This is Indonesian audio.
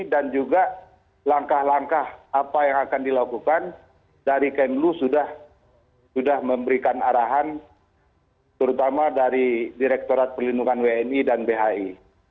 dan juga langkah langkah apa yang akan dilakukan dari kemlu sudah memberikan arahan terutama dari direktorat pelindungan wni dan bhi